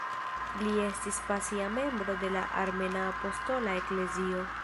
Li estis pasia membro de la Armena Apostola Eklezio.